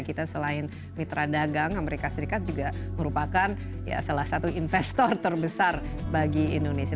kita selain mitra dagang amerika serikat juga merupakan salah satu investor terbesar bagi indonesia